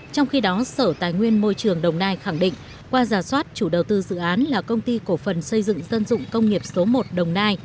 trong khi đó sở tài nguyên môi trường đồng nai khẳng định qua giả soát chủ đầu tư dự án là công ty cổ phần xây dựng dân dụng công nghiệp số một đồng nai